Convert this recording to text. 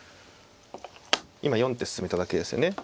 今４手進めただけですよね。